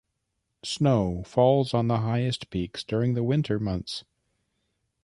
Snow falls on the highest peaks during the winter months.